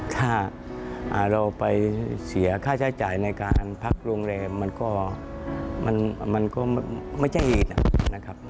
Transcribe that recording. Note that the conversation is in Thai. ถ้าเราไปเสียค่าใช้จ่ายในการพักโรงแรมมันก็ไม่ใช่อีกนะครับ